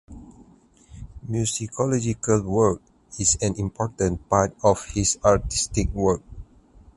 Musicological work is an important part of his artistic work.